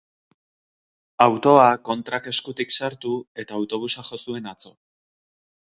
Autoa kontrak eskutik sartu eta autobusa jo zuen atzo.